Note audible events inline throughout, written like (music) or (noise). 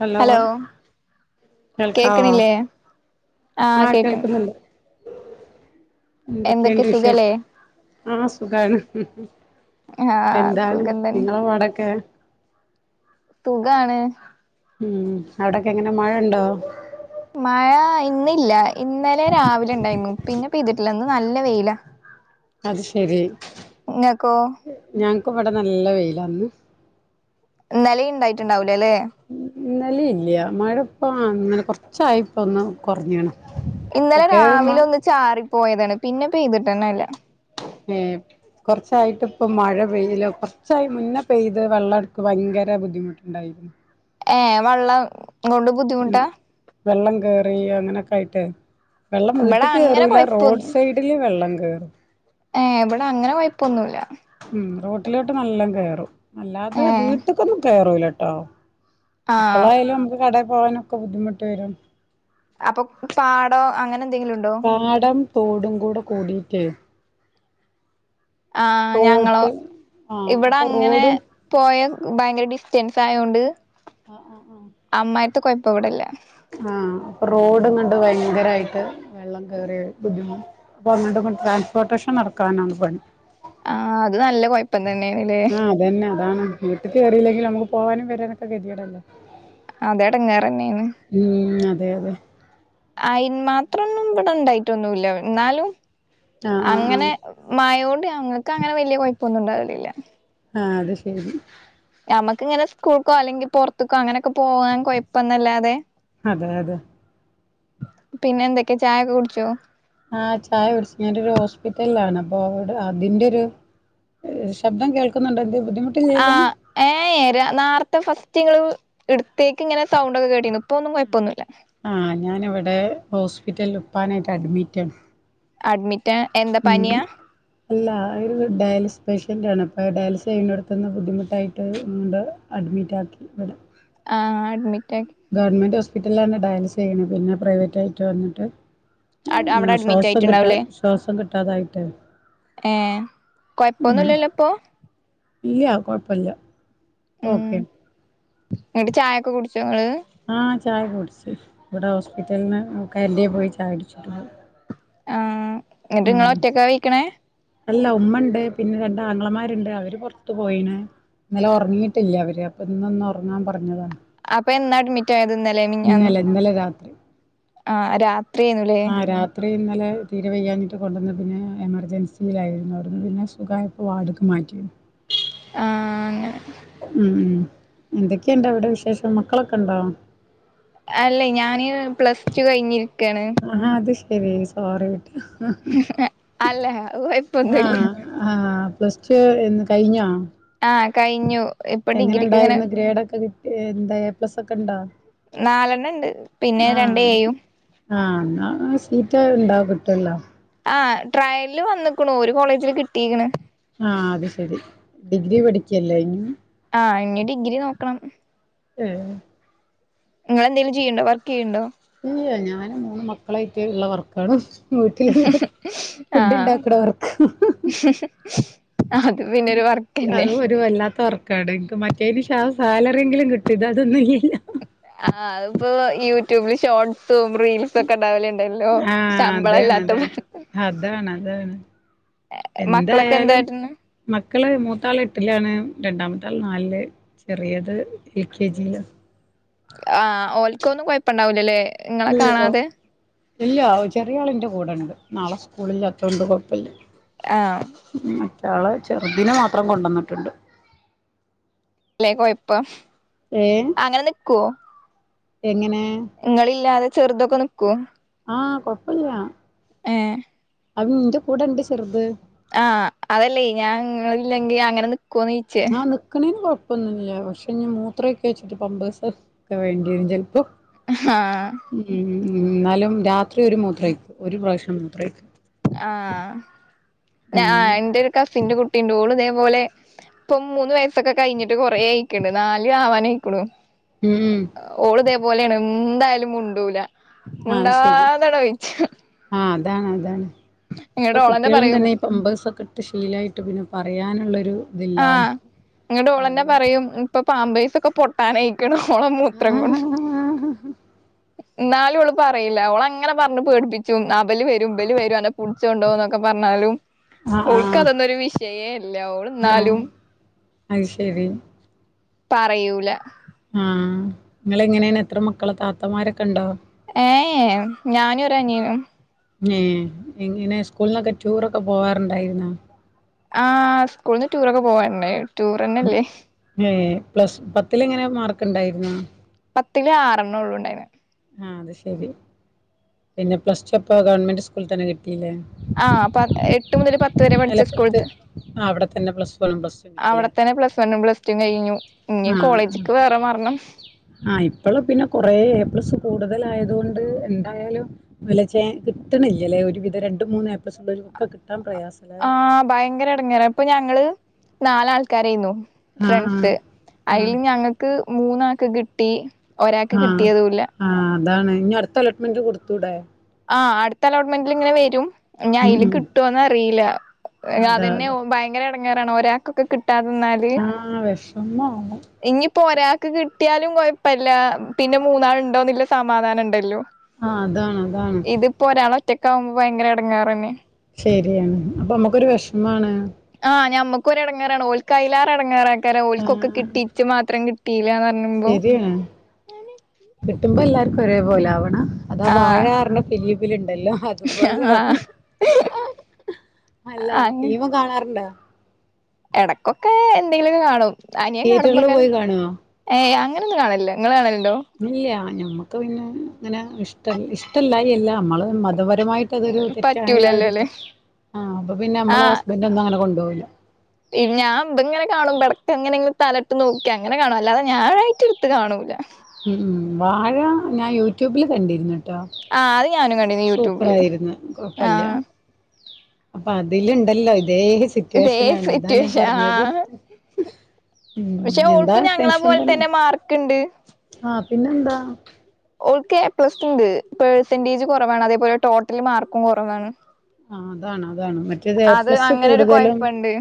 Hello. കേൾക്കാവോ കേക്കണില്ലേ ആ ആഹ് കേക്കണ് കേൾക്കുന്നുണ്ട്. എന്തൊക്കെ എന്തൊക്കെണ്ട് സുഖല്ലേ വിശേഷം ആ സുഖാണ്. ഹഹ ആഹ് എന്താണ് സുഖം തന്നെ നിങ്ങളെ പാടൊക്കെ? സുകാണ്. ഉം അവിടൊക്കെ എങ്ങനെ മഴ ഉണ്ടോ? മഴ ഇന്നില്ല ഇന്നലെ രാവിലെ ഉണ്ടായിന്നു. പിന്നെ പെയ്തിട്ടില്ല. ഇന്ന് നല്ല വെയിലാ. അത് ശരി ഇങ്ങക്കോ ഞാൻ ഇവടെ നല്ല വെയിലാന്ന്. ഇന്നലെണ്ടായിട്ടുണ്ടാവൂല ലെ ഇന്നലില്ല മഴ ഇപ്പം ഇങ്ങനെ കുറച്ചായി ഇപ്പ ഒന്ന് കുറഞ്ഞ്ണ്. ഇന്നലെ രാവിലെ ഒന്ന് ചാറിപ്പോയതാണ് പിന്നെ പെയ്തിട്ടന്നല്ല. (unintelligible) കുറച്ചായിട്ട് ഇപ്പ മഴ പെയ്ല്ല. കുറച്ചായി മുന്നേ പെയ്ത് വെള്ളം എടുക്ക് ഭയങ്കര ബുദ്ധിമുട്ടുണ്ടായിരുന്നു. ഏ വെള്ളം കൊണ്ട് ഉം ബുദ്ധിമുട്ടാ വെള്ളം കേറി അങ്ങനെയൊക്കെ ആയിട്ടേ വെള്ളം ഇവിടെ വീട്ടക്ക് അങ്ങനെ കേറൂല്ല റോഡ് സൈഡില് വെള്ളം കേസും. ഏ ഇവിടെ അങ്ങനെ കൊയ്പൊന്നൂല്ല. ഉം റോട്ടിലോട്ട് നല്ലോം കേറും അല്ലാതെ ഏഹ് വീട്ട്ക്കൊന്നും കേറൂലട്ടോ. ആഹ് അപ്പളായാലും നമുക്ക് കടയിൽ പോകാനൊക്കെ ബുദ്ധിമുട്ട് വരും. അപ്പൊ പാടോ അങ്ങനെ എന്തെങ്കിലുംണ്ടോ? പാടം തോടും കൂടെ കൂടിയിട്ട് ആ് ഞങ്ങളോ തോട്ട് ആഹ് ഇവിടെ അപ്പൊ അങ്ങനെ റോഡും പൊയ ഭയങ്കര ഡിസ്റ്റൻസ് ആയോണ്ട് (inaudible) ത്തെ കൊയ്പ്പം ഇവടല്ല ആഹ അപ്പൊ റോട്ങ്ങണ്ട് ഭയങ്കരായിട്ട് വെള്ളം കേറിയ ബുദ്ധിമുട്ട അപ്പങ്ങട്. ട്രാൻസ്പോർട്ടേഷൻ നടക്കാനാണ് പണി. ആഹ അത് ന്നല്ല കൊയ്പ്പനെ ആഹ് അതന്നെതാണ് വീട്ട്ക്കേറീല്ലങ്കിലും നമുക്ക് പോവാനും വരാനൊക്കെ ഗതികേടല്ലേ? അതെടങ്ങേറെന്നെണ് ഉം അതെ അതെ ആയി ന്മാത്രൊന്നും ഇവടെ ഇണ്ടായ്ട്ടൊന്നുല്ല ന്നാലും ആഹ് ആഹ് അങ്ങനെ ആഹ് മായോൻണ്ട്. ഞങ്ങക്ക് അങ്ങനെ വല്ല്യ കൊ യ്പ്പൊന്നുംണ്ടാവലില്ല. ആ അത് ശരി ഞമ്മക്ക് ഇങ്ങനെ സ്കൂൾക്കോ അല്ലെങ്കി പൊറത്തുക്കോ അങ്ങനൊക്കെ പോകാൻ കൊയപ്പംന്നല്ലാതെ അതെ അതെ പിന്നെ എന്തൊക്കെ ചായൊക്കെ കുടിച്ചോ? ആഹ ചായ കുടിച് ഞാനൊരു ഹോസ്പിറ്റലാണ് അപ്പൊ അതിന്റോരു ശബ്ദം കേൾക്കുന്നുണ്ടോ എന്ത് ആ ബുദ്ധിമുട്ടില്ലല്ലോ ഏ ഏ നാർത്തെ ഫസ്റ്റ് ങ്ങള് ഇടുത്തേക്ക് ഇങ്ങനെ സൗണ്ടൊക്കെ കേട്ടീന്നു ആ ഞാനിവിടെ ഹോസ്പിറ്റല് ഉപ്പാനായിട്ട് അഡ്മിറ്റാണ്. അഡ്മിറ്റ് എന്താ ഉ പനിയാ അല്ല ഒരു ഡയാലിസ് പേഷ്യൻറ ആണ് അപ്പ ഡയാലിസെയ്യനോട്ത്തിന്ന് ബുദ്ധിമുട്ടായ്ട്ട് ഇങ്ഡ് അഡ്മിറ്റാക്കി ഇവടെ ആഹ അഡ്മിറ്റ് ആക്കി ഗവൺമെന്റ് ഹോസ്പിറ്റലിലാണ് ഡയാലിസെയ്യണത് പിന്നെ പ്രൈവറ്റ് ആയിട്ട് വന്നിട്ട് ഉ അവിടെ അഡ്മിറ്റ് ശ്വാസം കിട്ടാ ശ്വാസം കിട്ടാതായിട്ടേ ഏേ കൊയപ്പൊന്നുല്ലല്ലോ ഇപ്പൊ. ഇല്ല കൊഴപ്പല്ല ഓക്കേ. എട്ട് ചായൊക്കെ കുടിച് ആഹ ചായ കുടിച് ഇവിടെ ഹോസ്പിറ്റൽന്ന് കേൻറ്റിന്ന്പോയി ചായ കുടിച്ചി ആ എന്നിട്ട് നിങ്ങളൊറ്റക്ക പൊയ്ക്കണേ? അല്ല ഉമ്മണ്ട് പിന്നെ രണ്ടാങ്ങളമാര്ണ്ട് അവര് പൊറത്തു പോയിണ് ഇന്നലെ ഉറങ്ങിയിട്ടില്ല അവര് അപ്പൊ ഇന്നൊ ഒന്നൊറങ്ങാൻ പറഞ്ഞതാണ്. അപ്പ എന്നാ അഡ്മിറ്റാ ഇന്നലെ ഇന്നലെ രാത്രി. ആഹ രാത്രിയാണ് ലേ? ആഹ് രാത്രി ഇന്നലെ തീരെ വയ്യഞ്ഞിട്ട് കൊണ്ടന്ന പിന്നെ എമർജൻസിയിലായിരുന്നു അവട്ന്ന് പിന്നെ സുഖായപ്പോ വാട്ക്ക് മാറ്റിയത്. ആഹ് അങ്ങനെ ഉം എന്തൊക്കെയുണ്ട് ഇവിടെ വിശേഷം മക്കളൊക്കെ ഉണ്ടോ? അല്ലെ ഞാന് പ്ലസ്റ്റു കയ്ഞ്ഞ് ആഹാ അത് ശരി സോറി. അല്ല അത് ആഹ കൊഴപ്പൊന്നുല്ല ആഹ ആ ആ പസ്റ്റു എന്ന് കഴിഞ്ഞോ? ആ കഴിഞ്ഞു ഇപ്പൊ എങ്ങനെ ഡിഗ്രിക്ക് ഇങ്ങനെ ഇണ്ടായിരുന്നു ഗ്രേഡ ഒക്കെ കിട്ടി എന്താ എ പ്ലസ് ഒക്കെ ഉണ്ടോ? നാലെണ്ണം ഇണ്ട് പിന്നെ രണ്ട് ആഹ എയും ആഹ സീറ്റൊഴ് വ്ണ്ടാവും കിട്ടോല്ലോ? ആ ട്ട്രയ്ല്‌ വന്നക്കുണു ഒരു കോളേജില് കിട്ടീക്കണ്. ആഹ അത് ശരി ഡിഗ്രി പഠിക്കല്ലെ ഇഞ്ഞു ആഹ് ഇനി ഡിഗ്രി നോക്കണം ഉം നിങ്ങ എന്തെങ്കിലും ചെയ്യ്ണ്ടോ വർക്കെയ്യുണ്ടോ? ഇല്ല്യാ ഞാന് മൂന്ന് മക്കളായിട്ട് ഉള്ളവർക്കാണ്. വീട്ടിലുള്ള ഫുഡ് ആഹ് ഇണ്ടാക്കണ വർക്ക്. അത് പിന്നെ ഒരു വർക്കന്നെ അത് ഒരു വല്ലാത്ത വർക്കാണ് എനിക് മറ്റേന് ഷാ സാലറേങ്കിലും കിട്ടും ഇതഅതൊന്നും ഇല്ലാ ഇ ആഹ് അതിപ്പോ യൂട്യൂബില് ഷോർട്സ് (unintelligible) റീൽസ് ഒക്കെ ഇണ്ടാവലുണ്ടല്ലോ ആഹ് ശമ്പളം അതാണ് ഇല്ലാത്ത അതാണ് അതാണ് അതാണ് മക്കളൊക്കെ എന്ത് എന്തായാലും കാട്ടണ് മക്കള് മൂത്താള് എട്ടിലാണ് രണ്ടാമത്തെ ആൾ നാലില് ചെറിയത് എൽ കെ ജി യി ല ആഹ് ഓൽക്ക് ഒന്നും കൊഴപ്പുണ്ടാവൂലല്ലേ ഇങ്ങളെ ഇല്ലല്ലോ കാണാതെ ഇല്ല ചെറിയ ആളിന്റെ കൂടെ ഉണ്ട് നാളെ സ്കൂളില്ലാത്തോണ്ട് കുഴപ്പല്ല. ആഹ് ഉ മറ്റയാള് ചെറുതിനെ മാത്രം കൊണ്ടു വന്നിട്ടുണ്ട്. അല്ലേ കൊഴപ്പം അങ്ങനെ നിക്കുവോ? എങ്ങനെ? ഇങ്ങളില്ലാതെ ചെറുതൊക്കെ നിക്കൂ. ആഹ് കൊപ്പല്ല. ഏഹ്. അവ ന്റെ കൂടെ ഉണ്ട് ചെറുത്. ആഹ് അതല്ലേ ഞാൻ. നിങ്ങൾ ഇല്ലെങ്കിൽ അങ്ങനെ നിക്കോന്ന് ചോയിച്ചേ ആഹ് നിക്കണേയിന് കൊ പ്പോന്നുല്ല പക്ഷേ ഇനി മൂത്ര ഒയിക്കോ വെച്ചിട്ട് പമ്പേഴ്സ് ഒക്കെ വേണ്ടി വെരും ചിലപ്പോ. ആഹ്. ഉം എന്നാലും രാത്രി ഒരു മൂത്രയ്ക്ക് ഒരു പ്രാവശ്യം മൂത്രയ്ക്ക്. ആഹ് ഞ ഉം ആഹ് എന്റെ ഒരു കസിന്റെ കുട്ടിണ്ട് ഓള് അതേ പോലെ ഇപ്പൊ മൂന്ന് വയസ്സൊക്കെ കഴിഞ്ഞിട്ട് കൊറേ ആയിക്കണ് നാല് ആവാനയിക്കണു. ഉം ഓള് ഇതേ പോലെയാണ് എന്തായാലും മുണ്ടൂല. അത് ശരി മുണ്ടാതാടാ ഒയിച്ചും. ആഹ് അതാണ് അതാണ് ഇപ്പൊ ഓളെന്നെ കുട്ടികളും പറയും തന്നെ ഈ പമ്പേഴ്സൊക്കെ ഇട്ട് ശീലായിട്ട് പിന്നെ പറയാനുള്ളൊരു. ഇതില്ല ആഹ് എന്നിട്ട് ഓളന്നെ അതെ പറയും ഇപ്പൊ പാമ്പേസ് ഒക്കെ പോട്ടാനായി. ക്കാണ് ഓളെ മൂത്രം കൊണ്ട്. ആഹ് എന്നാലും ഓള് പറയില്ല ഓൾ അങ്ങനെ പറഞ്ഞു പേടിപ്പിച്ചു അഭൽ വരും ഇഭല് വരും അന്നെ പുടിച്ച് കൊണ്ടോവും എന്നോക്ക. ഒക്കെ പറഞ്ഞാലും അവൾക്ക് ആഹ് അതൊന്നരു വിഷയേ അല്ല ഓൾ എന്നാലും ആഹ് അത് ശരി. പറയൂല. ആഹ നിങ്ങ എങ്ങനെയാണ് എത്ര മക്കള താത്തമാരൊക്കെ ഉണ്ടോ. ഏഹ് ഞാനും ഒരനിയനും. ഏ എങ്ങനെ സ്കൂളിനൊക്കെ ടൂറൊക്കെ പോവാറുണ്ടായിരുന്നോ. ആഹ് സ്കൂള്ന്ന് ടൂറൊക്കെ പോവാറുണ്ടാർന്നു ടൂർന്നെല്ലേ. ഏഹ് പ്ലസ് പത്തിൽ എങ്ങനെ മാർക്ക് ഉണ്ടായിരുന്നോ. പത്തില് ആറെണ്ണം ഉള്ളു ഉണ്ടായിന്. ആഹ് അത് ശെരി പിന്നെ പ്ലസ് ടു അപ്പൊ ഗവൺമെന്റ് സ്കൂളിൽ തന്നെ കി.. ആഹ് പ എട്ട് മുതൽ പത്ത് വരെ പഠിച്ച അല്ല പത്ത് സ്കൂളിത്തന്നെ ആഹ് അവിടെ തന്നെ പ്ലസ് വണ്ണും പ്ലസ് ടും അവിടെ കിട്ടില്ലേ തന്നെ പ്ലസ് വണ്ണും പ്ലസ്ടൂം കഴിഞ്ഞു ഇനി കോളേജിക്ക് വേറെ മാറ് ണം ആ ഇപ്പോള് പിന്നെ കൊറെ എ പ്ലസ് കൂടുതലായതുകൊണ്ട് എന്തായാലും വലചേൻസ്. കിട്ടിണില്ലല്ലേ ഒരു വിധ രണ്ട് മൂന്ന് എ പ്ലസ് ള്ളോർക്കൊക്കെ കിട്ടും. ആഹ് ഭയങ്കര ഇടങ്ങേറ ഇപ്പൊ ഞങ്ങള് നാലാൾക്കാരായിര്ന്നു. ആഹ് ഫ്രണ്ട്സ് ആഹ് അതിൽ ആഹ് ഞങ്ങൾക്ക് മൂന്നാക്ക്കിട്ടി. ഒരാക്ക് കിട്ടിയതും ഇല്ല എന്താണ് ഇനി അടുത്ത അലോട്ട്മെന്റ് കൊടുത്തൂടെ. ആ അടുത്തലോട്ട്മെന്റ്ൽ ഇങ്ങനെ വരും. ഞി ഉം അതില് ഉം കിട്ടുവോന്നന്നെ അറിയില്ല അതെ അതന്നെ അതെ ഭയങ്കര ഇടങ്ങാറാണ് ഒരാൾകൊക്കെ കിട്ട കട്ടാെന്നാല് ആഹ് വെഷമാണ് ഇനി പോരാ ക്ക് കിട്ടിയാലും കൊഴപ്പില്ല പിന്നെ മൂന്നാൾ ഉണ്ടോന്നില്ല സമാധാനം ഉണ്ടല്ലോ. ആഹ് അതാണ് അതാണ് ഒറ്റക്കാഉമ്പോ ഭയങ്കര ഇടങ്ങേറന്നെ. ശരിയാണ് അപ്പോം നമുക്കൊരു വിഷമാണ്. ആ ഞമ്മൊക്കൊരെടെങ്ങറെണ് ഓല്കയ്ലെറെടങ്ങാറെയ്ക്കാരം ആഹ് ഓൽകൊക്കെകിട്ടീ ഇച്ച് മാത്രം കിട്ടിയിലാന്നർ ശരിയാണ്. കിട്ടുമ്പോ എല്ലാർക്കും ഒരേ പോലെ ആവണം. അതാ ആഹ് വാഴർഞ്ഞ ഫിലിമിലുണ്ട്. ണ്ടല്ലോ അതുപോലയാണ്. ആഹ് ആ അല്ല അങ്ങ് ഫീലിമികാണാറുണ്ടാ? എടക്കൊക്കെ എന്തെങ്കിലും കാണും. അനിയൻ തിയേറ്ററില് കാണുമ്പോങ്ങെ പോയി കാണുവോ അങ്ങനൊന്നും കാണലില്ലാ ങ്ങള്കാണലി ഇല്ല ഞമ്മക്ക് പിന്നെ ഇങ്ങനെ ഇഷ്ട ഇഷ്ടല്ലായിഅല്ല നമ്മള് മത മതപരമായിട്ട് അതൊരു തെറ്റായ ഒരു പറ്റൂലല്ലോല്ലേ ആഹ് അപ്പൊ പിന്നെ നമ്മളെ ഹസ്ബന്റ് ഒന്നും അങ്ങനെ കൊണ്ടോവുല്ല. ഇ ഞാൻ ഇതെങ്ങനെ കാണുമ്പട് എങ്ങനെങ്കിലും തലട്ട് നോക്കാ അങ്ങനെ കാണോ അല്ലാതെ ഞാനായിട്ട് ഇട്ട്കാണൂല. ഉം ഉം വാഴ ഞാൻ യൂട്യൂബില് കണ്ടിരുന്നു. ആഹ് ഞാനും കണ്ടിന് സൂപ്പർ യൂട്യൂബില് ആയിരുന്നു കൊഴപ്പല്ല. ആഹ് അപ്പൊ അതില് ണ്ടല്ലോ? അതേ ഇതേ സിറ്റുവേഷനാണ് അതാ ഞാൻ സിറ്റുവേഷൻ പറഞ്ഞത് ആഹ് പക്ഷെ ഉം എന്താ ഓൾക്കും ഞങ്ങളെ ടെൻഷൻ പോലെ തന്നെ മാർക്ക്ണ്ട് ആഹ് പിന്നെന്താ ഓൾക്ക് എ പ്ലസ് ഉണ്ട്. പെർസെന്റേജ് കുറവാണ് അതേപോലെ ടോട്ടൽ മാർക്കും കുറവാണ്. ആ അതാണ് അതാണ്. മറ്റേത് എ അത് പ്ലസ് അങ്ങനെ ഒരു കൂടുതലും കൊഴപ്പണ്ട്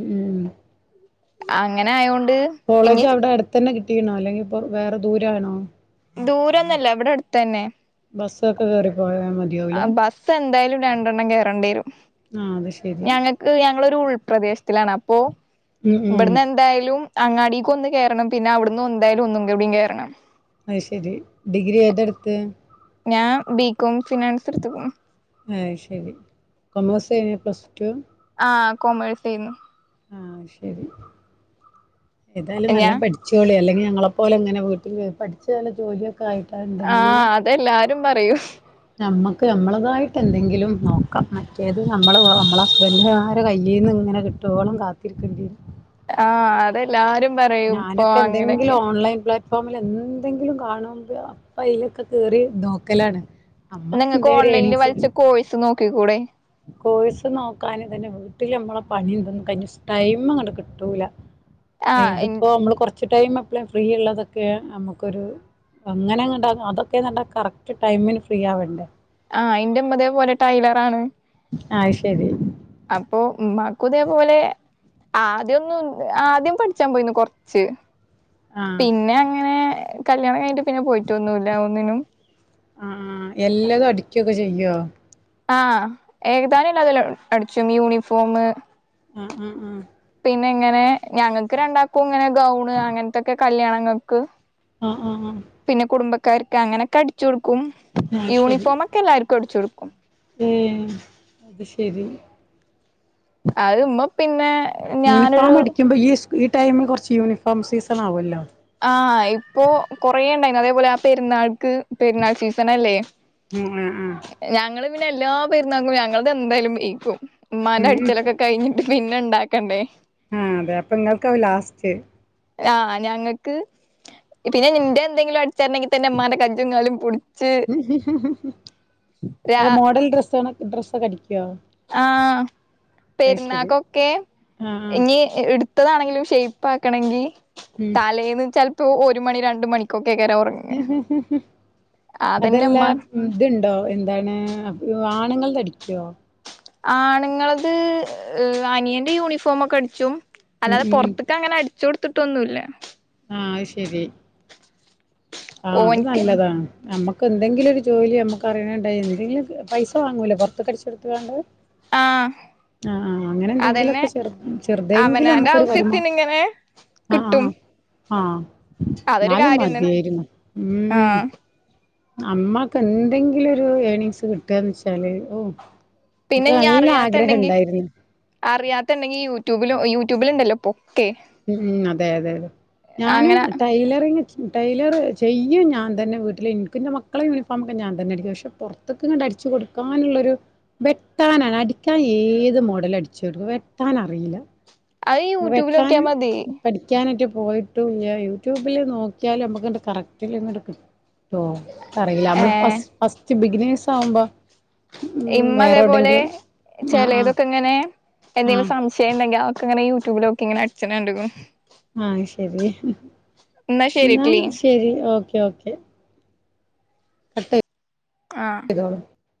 ഉം അങ്ങനെ ആയോ കോളേജ് അവിടെ അടുത്തന്നെ കിട്ടിണോ അല്ലെങ്കി ഇപ്പൊ വേറെ ദൂര ണോ? ദൂരൊന്നല്ല ഇവിടെ അടുത്തന്നെ. ബസ്സൊക്കെ കേറി പോയാ മതിയാവൂലേ ആബസ്സ് എന്തായാലും രണ്ടെണ്ണം കേയറേണ്ടി വരും. ആ അത് ശരി ഞങ്ങൾക്ക് ഞങ്ങളൊരു ഉൾ പ്രദേശത്തിലാണ് അപ്പോ ഉം ഉം ഇബട്ന്ന് എന്തായാലും അങ്ങാടിക്ക് ഒന്ന് കേറണം പിന്നെ അവിടുന്ന് ഒന്തായാലും ഒന്നും കൂടി കേറണം. അത് ശരി ഡിഗ്രി ഏതെടുത്ത് ഞാൻ ബികോം ഫിനാൻസ് ടു ത്കുണു. ആഹ് ശരി കൊമേഴ്സ്ഞൊ പ്ലസ് ടു ആ കോമേഴ്സ്‌യ്നു. ആഹ് ശരി. ഏതായാലും ഞാൻ നല്ലോം പഠിച്ചോളി അല്ലെങ്കിൽ ഞങ്ങള പോലെങ്ങനെ വീട്ടിൽ പഠിച്ച് നല്ല ജോലിയൊ ആഹ് അതെല്ലാരും പറയും നമ്മുക്ക് നമ്മളതായിട്ട് എന്തെങ്കിലും നോക്കാം. മറ്റേത് നമ്മളെ നമ്മെ ഹസ്ബൻന്റിന്റെ ആ ഒരുകയ്യിന്ന് നി അങ്ങനെ കിട്ടോളും കാത്തിരിക്കേണ്ടിരും. ആഹ് അതെല്ലാരും പറയും ഇപ്പൊ ഞാനൊക്കെ എന്തെങ്കിലും അങ്ങനെയൊക്കെ ഓൺലൈൻ പ്ലാ ഫോമ്ൽ എന്തെങ്കിലും കാണുമ്പ അപ്പ അയ്ലൊക്കെ കേറി നോക്കലാണ്. നമ്മക്ക് നിങ്ങൾക്ക് എന്തേ ഒരു ഓൺലൈനിൽ ഏണിങ്സ് വലിച്ച കോയ്സുംനോക്കി കൂടെ, കോഴ്സ് നോക്കാ ന് തന്നെ വീട്ടില് നമ്മളെ പണിതും കഴിഞ്ഞ്ടൈം അങ്ങട്ട് കിട്ടൂല. ആഹ് ഇൻ ഇതിപ്പോ മ്മള് കുറച്ച് ടൈം എപ്പഴേ ഫ്രീ ഉള്ളതൊക്കെയ നമ്മുക്കൊരു അങ്ങനെങ്ങട്ട് അതൊക്കെന്നർഞ കറക്റ്റ് ടൈമിന് ഫ്രീ ആവേണ്ടേ? ആ എന്റെമ്മതേ പോലെ ടൈലറാണ്. ആഹ് ശരി. അപ്പൊമ്മാക്കുതെപോലെ ആദ്യ ഒന്നും ആദ്യം പഠിച്ചാൻ പോയിനി കൊറച്ച് ആഹ് പിന്നെ അങ്ങനെ കല്യാണം കഴിഞ്ട്ട് പിന്നെ പോയിട്ടൊന്നുംല്ല ഒന്നിനും. ആആഹ് എല്ലതും അടിക്കൊക്കെ ചെയ്യോ? ആഹ് ഏകതാനല്ലതെ അതി അടിച്ചും യൂണിഫോമ് അ അ ആഹ് പിന്നെ ഇങ്ങനെ ഞങ്ങൾക്ക് രണ്ടാക്കും ഇങ്ങനെ ഗൗണ് അങ്ങനത്തൊക്കെ കല്യാണങ്ങൾക്ക് ആഹ് ആഹ് ആഹ് ക്കാർക്ക് അങ്ങനൊക്കെ അടിച്ചൊടുക്കും ആ ശരി യൂണിഫോമൊക്കെ എല്ലാർക്കും അടിച്ചു കൊടുക്കും. അത് ശരി. അഹ് മ്മ പിന്നേ യൂണിഫോം അടിക്കുമ്പോ ഈ ഈ ടൈമിൽ കുറച്ച് യൂണിഫോം സീസൺ ആവോല്ലോ. ആഹ് ഇപ്പൊ കൊറേ ഇണ്ടായിരുന്നു അതേപോലെ ആ പെരുന്നാൾക്ക് പെരുന്നാൾ സീസൺ ല്ലേ ഉം ആ ആ ഞങ്ങള് പിന്നെ എല്ലാ പെരുന്നാക്കും ഞങ്ങലതെന്തായാലും മെയ് കും മ്മാന്റെ ഉം അടിച്ചലൊക്കെ കഴിഞ്ഞിട പിന്നെ ഇണ്ടാക്കണ്ടേ ആഹ് അതെ പ്പ ഇങ്ങക്ക ആവും ലാസ്റ്റ്. ആഹ് ഞങ്ങക്ക് പിന്നെ ഇന്റെ എന്തെങ്കിലും അടിച്ചാണ്ടെങ്കി തന്നെ മ്മാന്റെ കാജ്ജും കാലും പുടി രാ അല്ല മോഡൽ ഡ്രസ്സ ഡ്രസ്സൊക്കെ അടി ആഹ് അത് ശരി പെരുന്നാക്കൊക്കെ ആ ആ ഇനി ഇടുത്തതാണെങ്കിലും ഷൈപാക്കാണെങ്കി ഉം തലേന്ന് ചെൽപ്പോ ഒരു മണി രണ്ട് മണിക്കോ അതന്നെ ഇമ്മ അതെല്ലാ ഇതുണ്ടോ എന്താണ് ആ ണ്ങ്ങൾ തെ അടിക്കുവോ? ആണുങ്ങൾ ത് അനിയന്റെ യൂണിഫോമോക്കെ അടിച്ചും. ഉം അല്ലാതെ ഉം പോർത്ത്ക്കങ്ങനെ അടിച്ചൊടുത്തിട്ടോന്നുല്ല. ആഹ് ശരി ആഹ് അത് ഓൻക്ക് നല്ലതാണ് നമ്മക്ക് എന്തെങ്കിലും ഒരു ജോലി നമുക്ക് അറിയണണ്ട എന്തെങ്കിലും പൈസ വാങ്ങൂലോ പ പൊറത്തക്ക് അടിച്ചു കോട്ത്ത് കാണ്ട്. ആഹ് ആഹ് അങ്ങനെ അതന്നെ എന്തെങ്കിലുംക്കെ ചെറു ചെറുതെങ്കിലും അവനാന്റെ നമ്മുക്കൊരു വരുമാ ആവശ്യത്തിന് ഇങ്ങനെ കിട്ടും ആഹ് ആഹ് അതൊരു ഇന്നാലും കാര്യം തന്നെ മതിയായിരുന്നു. ഉം ആഹ് അമ്മക്ക് എന്തെങ്കിലുമൊരു ഏർണിങ്സ് കിട്ടുകന്ന് വെച്ചാല് ഓഹ് പിന്നെ ഞ്ഞി അറിയാത്തുണ്ടെങ്കി അറിയാത്തണ്ടെങ്കി യൂട്യൂബിൽ യൂട്യൂബിലുണ്ടല്ലോ ഇപ്പോ മ് അതെ അതെ അതെ ഞാന് അങ്ങനെ ടൈലറിങ് ടൈലർ ചെയ്യും ഞാൻ തന്ന വീട്ടില് ഇൻക്ക് ഇന്റെ മക്കളെ യൂണിഫോമ ഒക്കെ ഞാൻ ന്ന അടിക്കും പക്ഷെ പുറത്തേക്ക ഇ അടിച്ചു കൊടുക്കാനുള്ളൊരു വെട്ടാനാണ് അടിക്കാൻ ഏത് മോഡൽ അടിച്ചു ഇടും വെട്ടാനറീല. അത് ആഹ് യൂട്യൂബിലൊക്കിയാ വെട്ടാനും മതി പഠിക്കാനാറ്റ്- പോയിട്ടൂല്ല്യ യൂട്യൂബില് നോക്കിയാല് നമ്മക്ക് കറക്ടിലങ്ങട് കിട്ടോ. കറീല ഏ നമ്മള് ഫസ് ഫസ്റ്റ് ബിഗിനേഴ്സ് ആവുമ്പോ ഉം ഇമ്മ അതേ വേറെ പോലെ എവിടെങ്കിലും ആഹ് ആഹ് ചെലെതൊക്കെ ഇങ്ങനെ എന്തെങ്കിലും ആഹ് സംശയം ഉണ്ടെങ്കിൽ- ക്കങ്ങനെ യൂട്യൂബിലോക്കി ഇങ്ങനെ അടിച്ചണെ കണ്ട്ക്കണു. ആഹ് ശെരി എന്നാ ശരി ഓക്കെ ഓക്കെ. കട്ടേയ് ആഹ്.